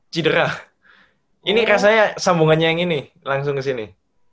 cedera ini rasanya sambungannya yang ini langsung kesini